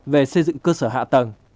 về xây dựng cơ sở hạ tầng